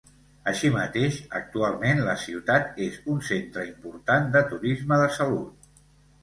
Així mateix, actualment la ciutat és un centre important de turisme de salut.